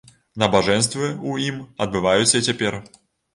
Набажэнствы ў ім адбываюцца і цяпер.